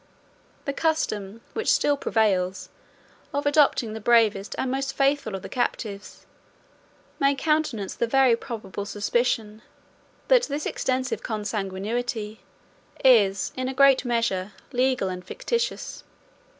The custom, which still prevails, of adopting the bravest and most faithful of the captives, may countenance the very probable suspicion, that this extensive consanguinity is, in a great measure, legal and fictitious.